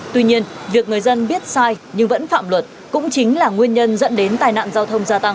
tuy nhiên việc người dân biết sai nhưng vẫn phạm luật cũng chính là nguyên nhân dẫn đến tai nạn giao thông gia tăng